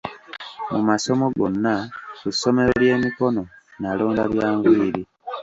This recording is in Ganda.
Mu masomo gonna ku ssomero ly'emikono, nalonda bya nviiri.